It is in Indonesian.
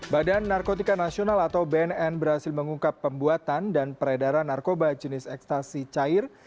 badan narkotika nasional atau bnn berhasil mengungkap pembuatan dan peredaran narkoba jenis ekstasi cair